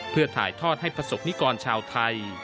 เพื่อถ่ายทอดให้ประสบนิกรชาวไทย